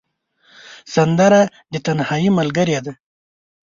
سندره د تنهايي ملګرې ده